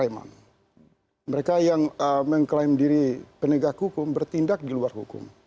memang mereka yang mengklaim diri penegak hukum bertindak di luar hukum